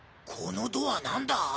このドアなんだ？